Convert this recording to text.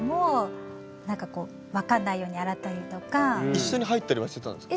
一緒に入ったりはしてたんですか？